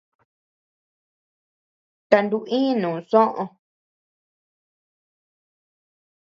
Kanu inu soʼö.